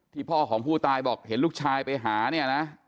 พ่อของผู้ตายบอกเห็นลูกชายไปหาเนี่ยนะ